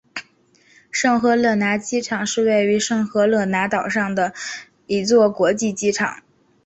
圣赫勒拿机场是位于圣赫勒拿岛上的一座国际机场。